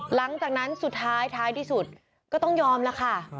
หลังจากนั้นสุดท้ายท้ายที่สุดก็ต้องยอมแล้วค่ะ